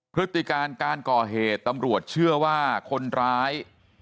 พฤติการการก่อเหตุตำรวจเชื่อว่าคนร้าย